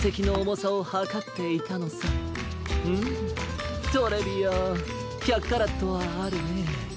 うーんトレビアーン１００カラットはあるね。